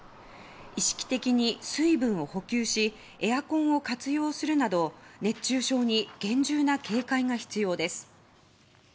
意識的に水分を補給しエアコンを活用するなど熱中症に厳重な警戒が必要です。